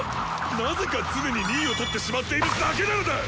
なぜか常に２位をとってしまっているだけなのだ！